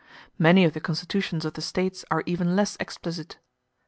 Many of the Constitutions of the States are even less explicit.